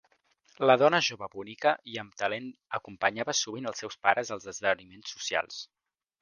La dona jove bonica i amb talent acompanyava sovint els seus pares als esdeveniments socials.